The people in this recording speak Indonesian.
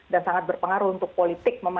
dan sangat berpengaruh untuk politik